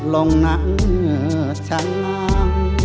ลงหนังชั้นน้ำ